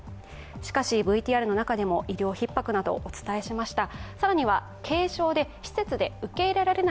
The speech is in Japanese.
しかし、ＶＴＲの中でも医療ひっ迫などお伝えしました。